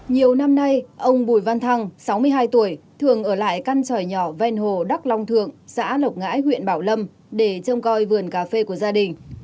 nhiều năm nay ông bùi văn thăng sáu mươi hai tuổi thường ở lại căn tròi nhỏ ven hồ đắc long thượng xã lộc ngãi huyện bảo lâm để trông coi vườn cà phê của gia đình